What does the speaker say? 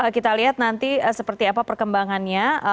kita lihat nanti seperti apa perkembangannya